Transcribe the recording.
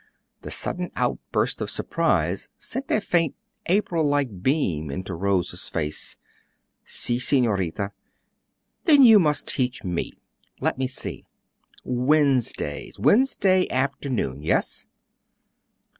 The sudden outburst of surprise sent a faint April like beam into Rose's face. "Si, Senorita." "Then you must teach me. Let me see. Wednesdays, Wednesday afternoon, yes?"